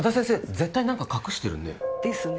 絶対何か隠してるねですね